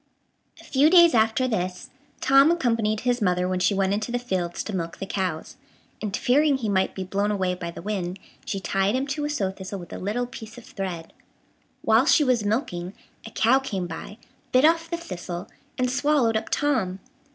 A few days after this, Tom accompanied his mother when she went into the fields to milk the cows, and, fearing he might be blown away by the wind, she tied him to a sow thistle with a little piece of thread. While she was milking, a cow came by, bit off the thistle, and swallowed up Tom.